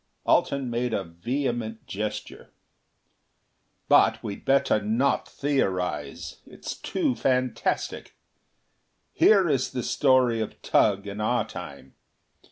Alten made a vehement gesture. "But we'd better not theorize; it's too fantastic. Here is the story of Tugh in our Time.